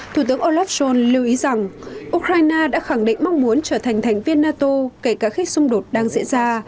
thủ tướng olaf scholz lưu ý rằng ukraine đã khẳng định mong muốn trở thành thành viên nato kể cả khi xung đột đang diễn ra